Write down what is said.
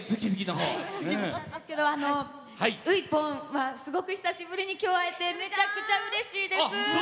ウイぽんとはすごく久しぶりに会えてめちゃくちゃうれしいです！